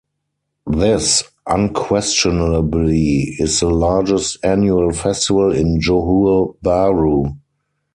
This unquestionably is the largest annual festival in Johor Bahru.